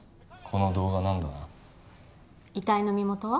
この動画なんだな遺体の身元は？